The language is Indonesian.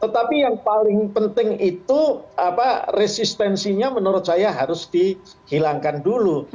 tetapi yang paling penting itu resistensinya menurut saya harus dihilangkan dulu